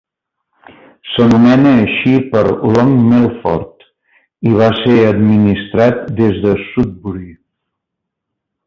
S'anomena així per Long Melford i va ser administrat des de Sudbury.